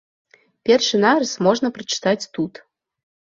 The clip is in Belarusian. Першы нарыс можна прачытаць тут.